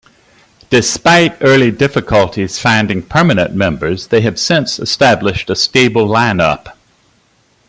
Despite early difficulties finding permanent members, they have since established a stable lineup.